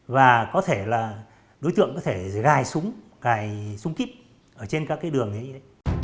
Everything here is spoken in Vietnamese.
và có thể là đối tượng có thể gài súng gài súng kít ở trên các cái đường như thế